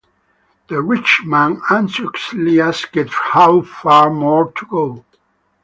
The rich man anxiously asked how far more to go.